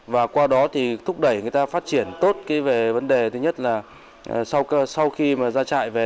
và qua đó thì thúc đẩy người ta phát triển tốt về vấn đề thứ nhất là sau khi mà ra trại về